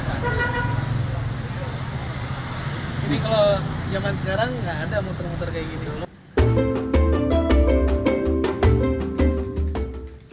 ini kalau zaman sekarang nggak ada muter muter kayak gitu loh